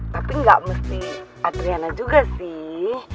tapi nggak mesti adriana juga sih